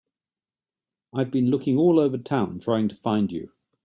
I've been looking all over town trying to find you.